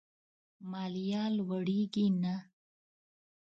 ماليه لوړېږي نه.